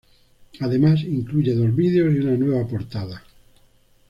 Además incluye dos videos y una nueva portada.